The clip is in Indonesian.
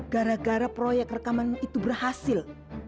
gara gara proyek rekaman itu berhasil